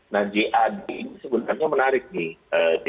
nah jad ini sebenarnya menarik nih